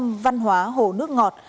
tâm văn hóa hồ nước ngọt